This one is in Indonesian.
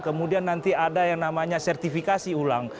kemudian nanti ada yang namanya sertifikasi ulang